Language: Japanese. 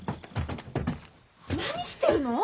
何してるの？